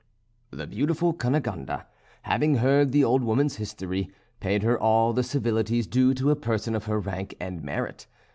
The beautiful Cunegonde having heard the old woman's history, paid her all the civilities due to a person of her rank and merit.